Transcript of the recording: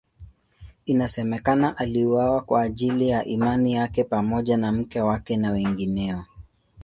Inasemekana aliuawa kwa ajili ya imani pamoja na mke wake na wengineo.